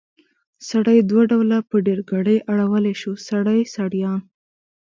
سړی دوه ډوله په ډېرګړي اړولی شو؛ سړي، سړيان.